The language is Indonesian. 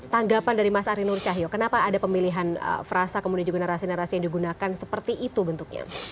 tanggapan dari mas ari nur cahyo kenapa ada pemilihan frasa kemudian juga narasi narasi yang digunakan seperti itu bentuknya